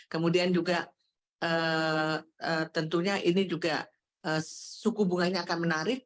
kemudian juga tentunya ini juga suku bunganya akan menarik